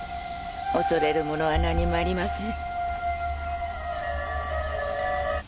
恐れるものは何もありません。